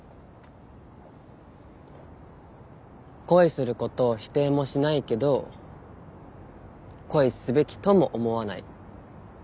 恋することを否定もしないけど恋すべきとも思わない。